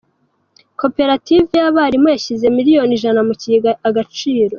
Koperative y’abarimu yashyize miliyoni ijana mu kigega Agaciro